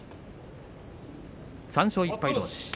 ３勝１敗どうし。